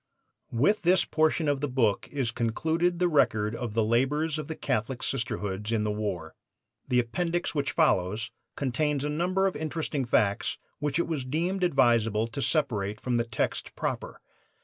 '" With this portion of the book is concluded the record of the labors of the Catholic Sisterhoods in the war. The appendix which follows contains a number of interesting facts which it was deemed advisable to separate from the text proper.